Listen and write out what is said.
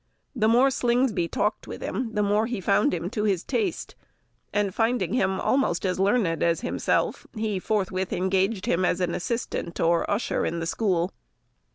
The more Slingsby talked with him, the more he found him to his taste, and finding him almost as learned as himself, he forthwith engaged him as an assistant or usher in the school.